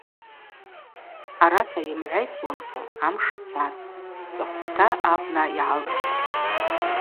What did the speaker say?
Араса йымгӏвайсуамца амш цатӏ, цӏыхквта абна йгӏалцӏтӏ.